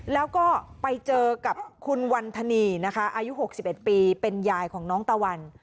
แล้วก็ไปเจอกับคุณวันธนีนะคะอายุ๖๑ปีเป็นยายของน้องตะวัน